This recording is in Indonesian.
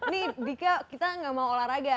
nih dika kita nggak mau olahraga